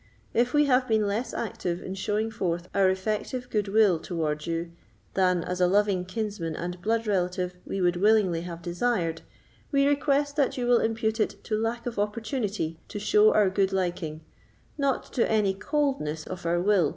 If we have been less active in showing forth our effective good will towards you than, as a loving kinsman and blood relative, we would willingly have desired, we request that you will impute it to lack of opportunity to show our good liking, not to any coldness of our will.